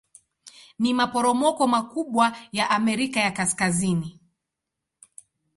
Ni maporomoko makubwa ya Amerika ya Kaskazini.